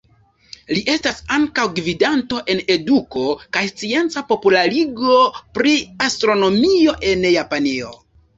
Li estas ankaŭ gvidanto en eduko kaj scienca popularigo pri astronomio en Japanio.